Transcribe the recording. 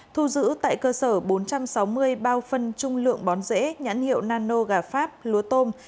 thu giữ tại cơ sở bốn trăm sáu mươi bao phân trung lượng bón dễ nhãn hiệu nano gà pháp lúa tôm